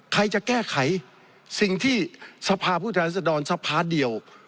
ใครจะแก้ไขสิ่งที่สภาพผู้แทนรัศดรสภาเดียว